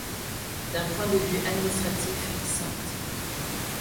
D'un point de vue administratif, St.